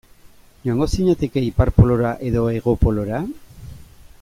Joango zinateke Ipar Polora edo Hego Polora?